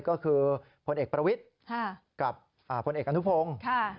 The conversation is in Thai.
ก็คือพลเอกประวิทธิ์กับพลเอกอนุพงศ์